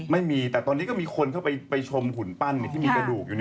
ไม่มีแต่ตอนนี้ก็มีคนเข้าไปชมหุ่นปั้นที่มีกระดูกอยู่